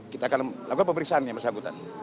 kita akan melakukan pemeriksaan yang bersangkutan